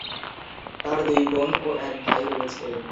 তার দুই বোন ও এক ভাই রয়েছে।